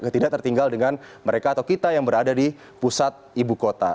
tidak tertinggal dengan mereka atau kita yang berada di pusat ibu kota